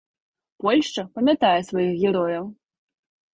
Польшча памятае сваіх герояў.